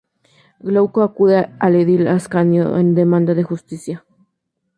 Glauco acude al edil Ascanio en demanda de justicia.